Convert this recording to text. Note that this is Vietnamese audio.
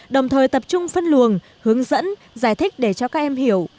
đồng thời tập trung phân luồng hướng dẫn giải thích để cho các em hiểu